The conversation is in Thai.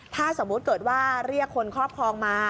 ถ้าสมมุติเกิดว่าเรียกคนครอบครองมา